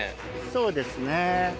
そうですね。